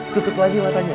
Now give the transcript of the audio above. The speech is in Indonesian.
tutup lagi matanya